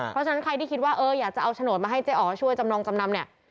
เพราะฉะนั้นใครที่คิดว่าเอออยากจะเอาโฉนดมาให้เจ๊อ๋อช่วยจำนองจำนำเนี่ย